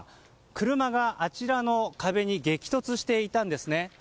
車が、あちらの壁に激突していたんですね。